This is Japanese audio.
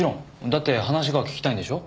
だって話が聞きたいんでしょ？